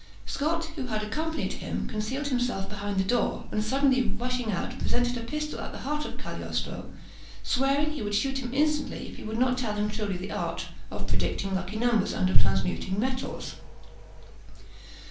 Scot, who had accompanied him, concealed himself behind the door, and suddenly rushing out, presented a pistol at the heart of Cagliostro, swearing he would shoot him instantly, if he would not tell him truly the art of predicting lucky numbers and of transmuting metals.